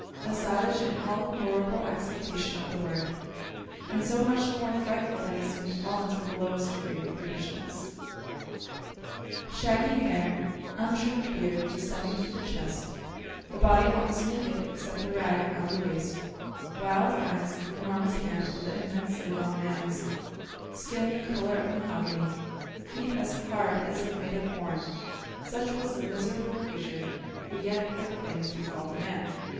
A savage in all the horrible acceptation of the word, and so much the more frightful that he seemed fallen to the lowest degree of brutishness! [Illustration: HERBERT IN DANGER] Shaggy hair, untrimmed beard descending to the chest, the body almost naked except a rag round the waist, wild eyes, enormous hands with immensely long nails, skin the colour of mahogany, feet as hard as if made of horn, such was the miserable creature who yet had a claim to be called a man.